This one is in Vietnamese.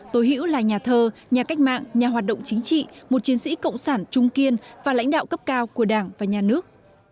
tố hữu là nhà thơ nhà cách mạng nhà hoạt động chính trị một chiến sĩ cộng sản trung kiên và lãnh đạo cấp cao của đảng và nhà nước